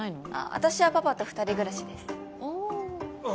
私はパパと二人暮らしですああ